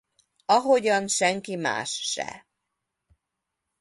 Ahogyan senki más se.